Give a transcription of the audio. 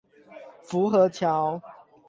福和橋